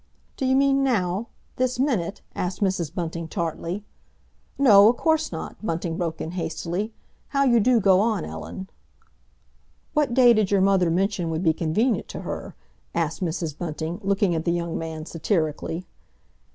"D'you mean now—this minute?" asked Mrs. Bunting tartly. "No, o' course not"—Bunting broke in hastily. "How you do go on, Ellen!" "What day did your mother mention would be convenient to her?" asked Mrs. Bunting, looking at the young man satirically.